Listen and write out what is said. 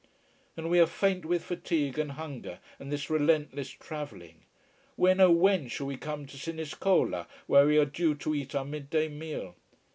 And we are faint with fatigue and hunger and this relentless travelling. When, oh when shall we come to Siniscola, where we are due to eat our midday meal?